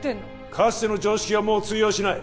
かつての常識はもう通用しない